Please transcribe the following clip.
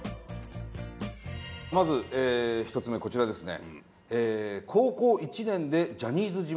まず１つ目こちらですね。